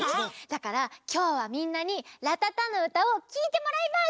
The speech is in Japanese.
だからきょうはみんなに「らたたのうた」をきいてもらいます！